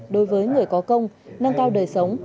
đối với người có công nâng cao đời sống